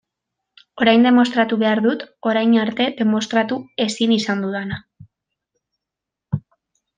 Orain demostratu behar dut orain arte demostratu ezin izan dudana.